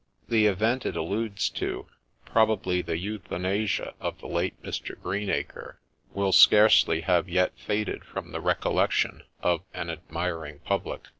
The event it alludes to, probably the euthanasia of the late Mr. Greenacre, will scarcely have yet faded from the recollection of an admiring public.